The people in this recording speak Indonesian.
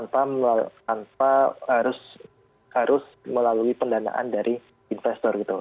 tanpa harus melalui pendanaan dari investor gitu